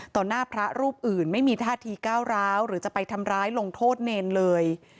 หน้าพระรูปอื่นไม่มีท่าทีก้าวร้าวหรือจะไปทำร้ายลงโทษเนรเลย